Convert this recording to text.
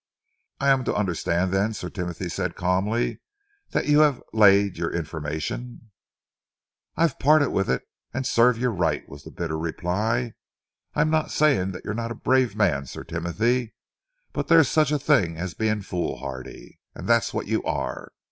"I am to understand, then," Sir Timothy said calmly, "that you have laid your information?" "I've parted with it and serve you right," was the bitter reply. "I'm not saying that you're not a brave man, Sir Timothy, but there's such a thing as being foolhardy, and that's what you are.